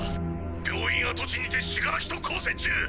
病院跡地にて死柄木と交戦中！